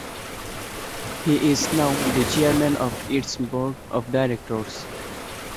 He is now the chairman of its board of directors.